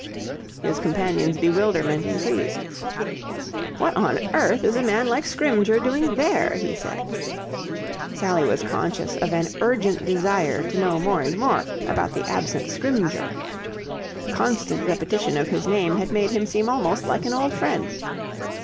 His companion's bewilderment increased. "What on earth is a man like Scrymgeour doing there?" he said. Sally was conscious of an urgent desire to know more and more about the absent Scrymgeour. Constant repetition of his name had made him seem almost like an old friend.